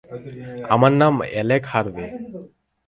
আমার নাম অ্যালেক হারভে।